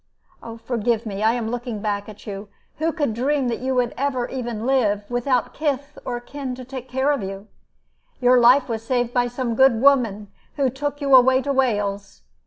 "Forgive me. I am looking back at you. Who could dream that you would ever even live, without kith or kin to care for you? Your life was saved by some good woman who took you away to Wales.